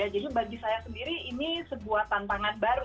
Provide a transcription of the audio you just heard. jadi bagi saya sendiri ini sebuah tantangan baru